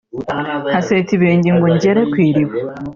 nkaseta ibirenge ngo ngere ku iriba